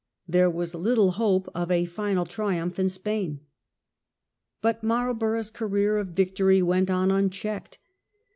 There was little hope of a final triumph in Spain. But Marlborough's career of victory went on unchecked.